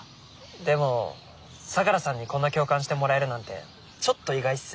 でも相良さんにこんな共感してもらえるなんてちょっと意外っす。